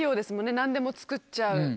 何でも作っちゃう。